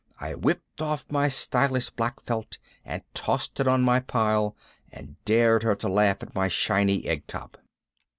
I whipped off my stylish black felt and tossed it on my pile and dared her to laugh at my shiny egg top.